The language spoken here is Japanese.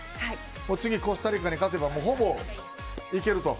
次コスタリカに勝てばほぼいけると。